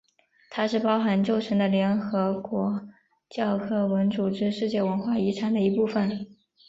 它是包含旧城的联合国教科文组织世界文化遗产的一部分。